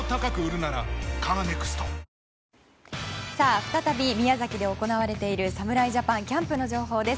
再び宮崎で行われている侍ジャパンのキャンプの情報です。